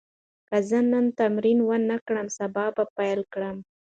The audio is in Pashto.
که زه نن تمرین ونه کړم، سبا به پیل کړم.